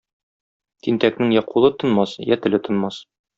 Тинтәкнең я кулы тынмас, я теле тынмас.